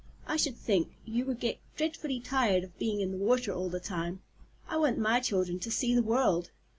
I should think you would get dreadfully tired of being in the water all the time. I want my children to see the world.